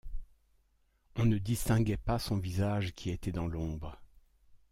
On ne distinguait pas son visage qui était dans l’ombre.